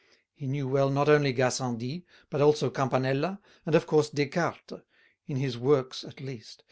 He knew well not only Gassendi, but also Campanella, and of course Descartes, in his works at least.